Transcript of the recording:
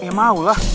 ya mau lah